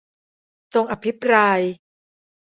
จงอภิปราย